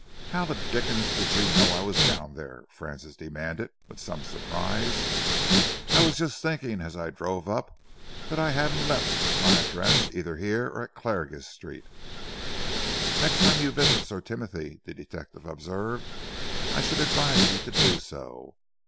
"How the dickens did you know I was down there?" Francis demanded, with some surprise. "I was just thinking as I drove up that I hadn't left my address either here or at Clarges Street." "Next time you visit Sir Timothy," the detective observed, "I should advise you to do so.